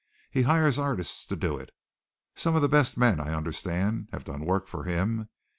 He hires artists to do it. Some of the best men, I understand, have done work for him.